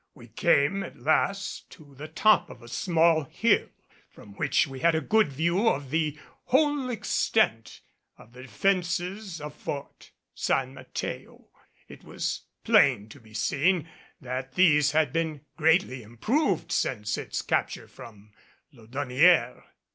We came at last to the top of a small hill, from which we had a good view of the whole extent of the defenses of Fort San Mateo. It was plain to be seen that these had been greatly improved since its capture from Laudonnière.